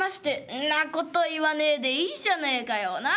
「んなこと言わねえでいいじゃねえかよなあ？